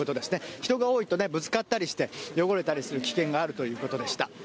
人が多いとぶつかったりして汚れたりする危険があるということでした。